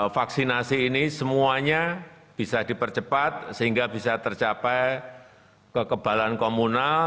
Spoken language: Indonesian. vaksinasi ini semuanya bisa dipercepat sehingga bisa tercapai kekebalan komunal